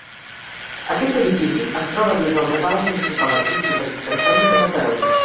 Aquest edifici es troba dins el Catàleg Municipal Artístic Arquitectònic de Mataró.